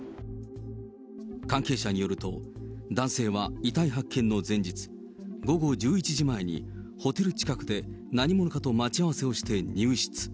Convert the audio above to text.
関係者によると、男性は遺体発見の前日、午後１１時前にホテル近くで何者かと待ち合わせをして入室。